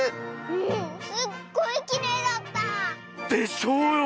うんすっごいきれいだったぁ！でしょうよ！